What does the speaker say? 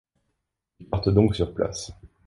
Ils partent donc sur place.